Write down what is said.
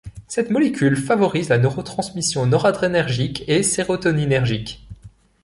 Cette molécule favorise la neurotransmission noradrénergique et sérotoninergique.